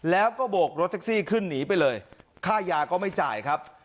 แล้วก็โบกรถแท็กซี่ขึ้นหนีไปเลยค่ายาก็ไม่จ่ายครับ